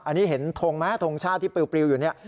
อันนี้เห็นทงไหมทงชาติที่ปลิวอยู่เนี่ย